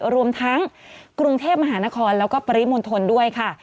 รวมทั้งกรุงเทพมหานครแล้วก็ปริมณฑลด้วยค่ะ